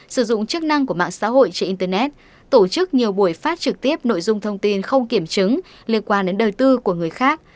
sử dụng chức năng của mạng xã hội trên internet tổ chức nhiều buổi phát trực tiếp nội dung thông tin không kiểm chứng liên quan đến đời tư của người khác